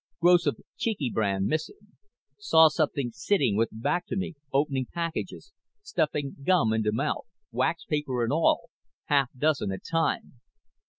Gross of Cheeky brand missing. Saw something sitting with back to me opening packages, stuffing gum into mouth, wax paper and all, half dozen at time.